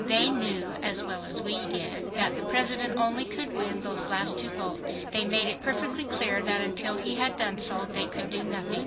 They knew, as well as did we, that the President only could win those last 2 votes. They made it perfectly clear that until he had done so, they could do nothing.